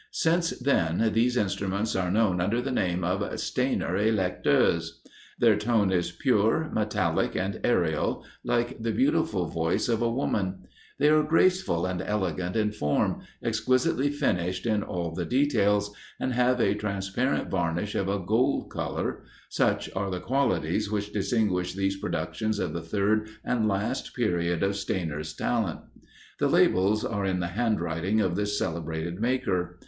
Since then, these instruments are known under the name of Stainer électeurs. Their tone is pure, metallic, and aerial, like the beautiful voice of a woman; they are graceful and elegant in form, exquisitely finished in all the details, and have a transparent varnish of a gold colour; such are the qualities which distinguish these productions of the third and last period of Stainer's talent. The labels are in the hand writing of this celebrated maker.